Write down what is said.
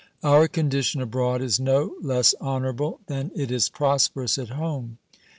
Our condition abroad is no less honorable than it is prosperous at home.